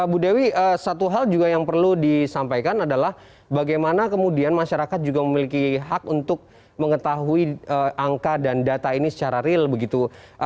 bu dewi satu hal juga yang perlu disampaikan adalah bagaimana kemudian masyarakat juga memiliki hak untuk mengetahui angka dan data ini secara real begitu